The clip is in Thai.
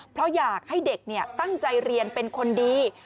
เพราะอยากให้เด็กตั้งใจเรียนเป็นคนดี